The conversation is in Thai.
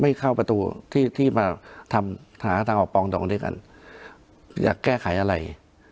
เข้าประตูที่ที่มาทำหาทางออกปองดองด้วยกันอยากแก้ไขอะไร